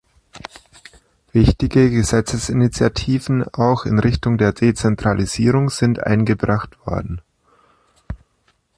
Wichtige Gesetzesinitiativen, auch in Richtung der Dezentralisierung, sind eingebracht worden.